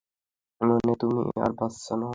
মানে, তুমি আর বাচ্চা নও এখন।